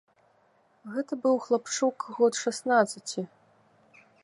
Гэта быў хлапчук год шаснаццаці.